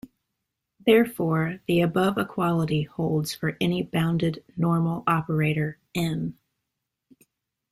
Therefore the above equality holds for any bounded normal operator "N".